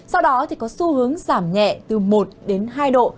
sau đó thì có xu hướng giảm nhẹ từ một đến hai độ